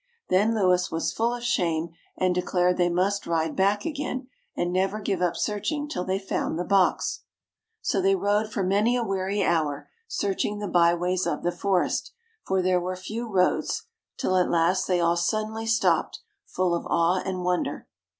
"Then Louis was full of shame, and declared they must ride back again, and never give up searching till they found the box. "So they rode for many a weary hour, searching the by ways of the forest for there were few roads till at last they all suddenly stopped, full of awe and wonder.